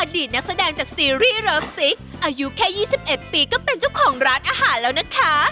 อดีตนักแสดงจากซีรีส์รอศิกดิ์อายุแค่ยี่สิบเอ็ดปีก็เป็นเจ้าของร้านอาหารแล้วนะคะ